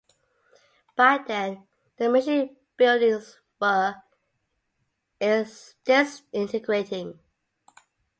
By then the mission buildings were disintegrating.